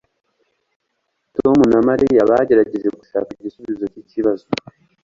Tom na Mariya bagerageje gushaka igisubizo cyikibazo.